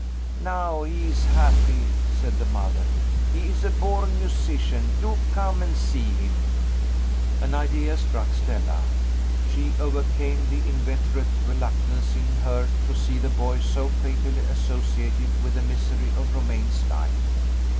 "Now he is happy!" said the mother. "He is a born musician; do come and see him!" An idea struck Stella. She overcame the inveterate reluctance in her to see the boy so fatally associated with the misery of Romayne's life.